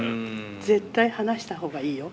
絶対話した方がいいよ。